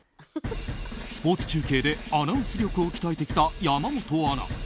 スポーツ中継でアナウンス力を鍛えてきた山本アナ。